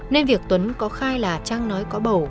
nên việc tuấn có khai là trang nói có bầu